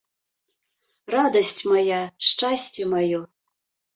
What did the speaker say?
Радасць мая, шчасце маё.